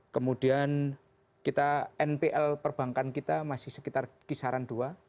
kemudian kita npl perbankan kita masih sekitar kisaran dua